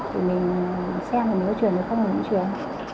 thì mình xem là mình có truyền được không là mình có truyền